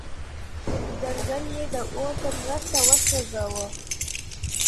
ځنګل یې د اور په مرسته وسوځاوه.